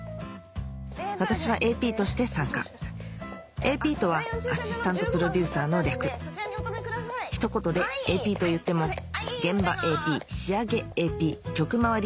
私はＡＰとして参加ＡＰとはアシスタントプロデューサーの略一言でＡＰといっても現場ＡＰ仕上げＡＰ局周り